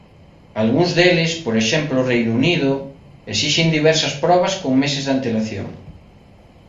Algúns deles, por exemplo Reino Unido, esixen diversas probas con meses de antelación.